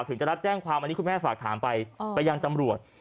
ถึงจะรับแจ้งความอันนี้คุณแม่ฝากถามไปไปยังตำรวจ